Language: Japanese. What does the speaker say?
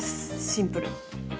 シンプル。